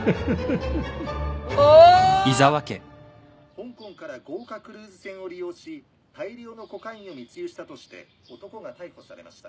香港から豪華クルーズ船を利用し大量のコカインを密輸したとして男が逮捕されました。